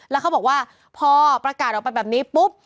แล้วเขาบอกว่าพอประกาศออกไปแบบนี้ปุ๊บ